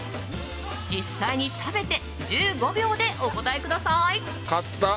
実際に食べて１５秒でお答えください。